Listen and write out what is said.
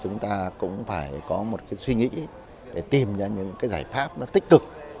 chúng ta cũng phải có một cái suy nghĩ để tìm ra những cái giải pháp nó tích cực